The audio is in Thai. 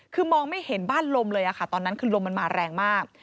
คือมองไม่เห็นบ้านลมเลยค่ะตอนนั้นคือลมมันมาแรงมาก